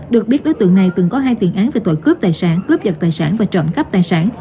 được biết đối tượng này từng có hai tiền án về tội cướp tài sản cướp giật tài sản và trộm cắp tài sản